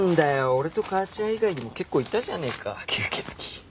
俺と母ちゃん以外にも結構いたじゃねえか吸血鬼。